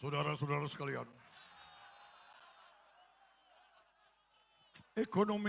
sudah ada sesudah sekalian